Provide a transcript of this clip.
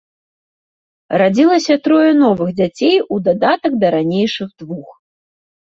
Радзілася трое новых дзяцей у дадатак да ранейшых двух.